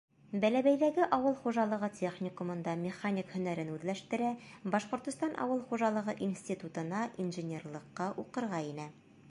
Бәләбәйҙәге ауыл хужалығы техникумында механик һөнәрен үҙләштерә, Башҡортостан ауыл хужалығы институтына инженерлыҡҡа уҡырға инә.